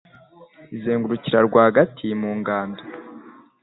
izirekurira rwagati mu ngando